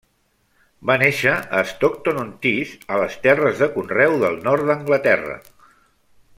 Va néixer a Stockton-on-Tees a les terres de conreu del nord d'Anglaterra.